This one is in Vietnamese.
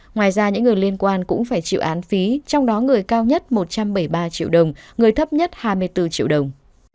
ngoài ra những người liên quan cũng phải chịu án phí trong đó người cao nhất một trăm bảy mươi ba triệu đồng người thấp nhất hai mươi bốn triệu đồng